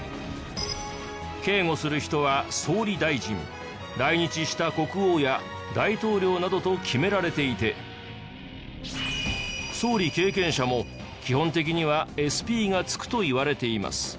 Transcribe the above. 警護する人は総理大臣来日した国王や大統領などと決められていて総理経験者も基本的にはＳＰがつくといわれています。